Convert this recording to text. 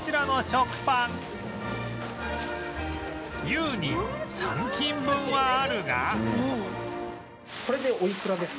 優に３斤分はあるが